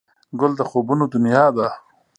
ګل د خوبونو دنیا ده.